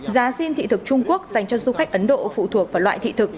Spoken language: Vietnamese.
giá xin thị thực trung quốc dành cho du khách ấn độ phụ thuộc vào loại thị thực